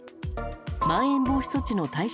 まん延防止措置の対象